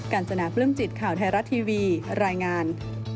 ญจนาปลื้มจิตข่าวไทยรัฐทีวีรายงาน